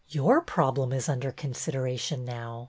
'' Your problem is under consideration now.